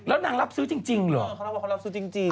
แล้วนางรับซื้อจริงเหรออ๋อเราก็บอกว่าคนรับซื้อจริง